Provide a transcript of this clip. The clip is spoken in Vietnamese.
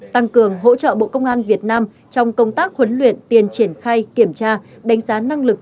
tăng cường hỗ trợ bộ công an việt nam trong công tác huấn luyện tiền triển khai kiểm tra đánh giá năng lực